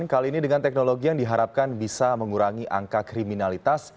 kali ini dengan teknologi yang diharapkan bisa mengurangi angka kriminalitas